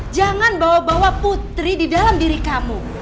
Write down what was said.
jangan bawa bawa putri di dalam diri kamu